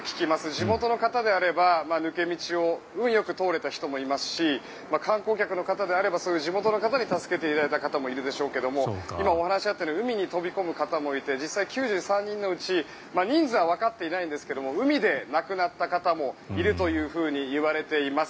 地元の方であれば抜け道を運よく通れた人もいますし観光客の方であればそういう地元の方に助けていただいた方もいるでしょうが今、お話にあったように海に飛び込む方もいて実際９３人のうち人数はわかっていませんが海で亡くなった方もいるというふうにいわれています。